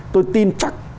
tôi tin chắc